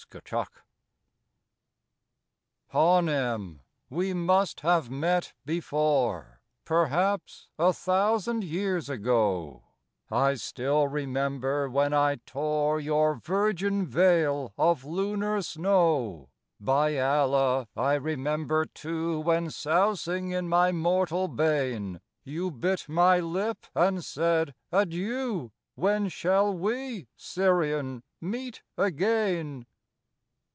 53 HANEM Hanem, we must have met before, Perhaps a thousand years ago; I still remember when I tore Your virgin veil of lunar snow. By Allah, I remember, too, When, sousing in my mortal bain, You bit my lip and said, "Adieu, When shall we, Syrian, meet again?"